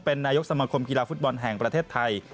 เป็นนายกสมคมกีฬาฟุตบอลแห่งประเทศไทย